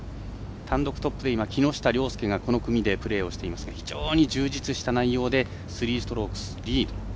単独トップで木下稜介がこの組でプレーをしていますが非常に充実した内容で３ストロークリード。